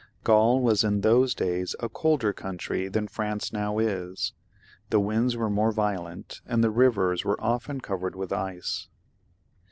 Gaul was in those days a colder country than France now is ; the winds were more violent, and the rivers were often covered with ice.